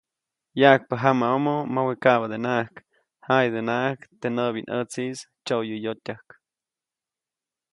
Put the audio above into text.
Yaʼajkpä jamaʼomo, mawe kaʼbadenaʼajk, jaʼidänaʼajk teʼ näʼbinʼätsiʼis tsyoyäyotyäjk.